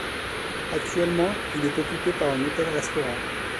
Actuellement, il est occupé par un hôtel-restaurant.